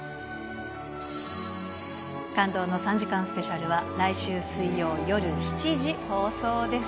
感動の３時間スペシャルは、来週水曜夜７時放送です。